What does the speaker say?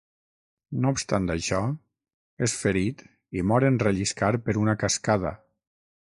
No obstant això, és ferit i mor en relliscar per una cascada.